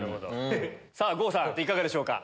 さぁ郷さんいかがでしょうか？